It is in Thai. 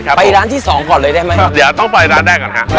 ใครเลือกก่อนเชฟ